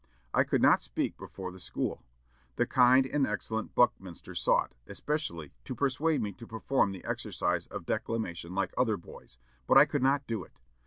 I could not speak before the school. The kind and excellent Buckminster sought, especially, to persuade me to perform the exercise of declamation like other boys, but I could not do it.